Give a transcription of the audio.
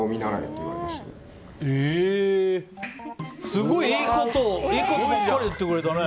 すごいいいこと言ってくれたね。